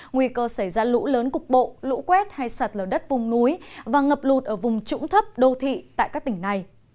nguy cơ xảy ra lũ lớn cục bộ lũ quét hay sạt lở đất vùng núi và ngập lụt ở vùng trũng thấp đô thị tại các tỉnh này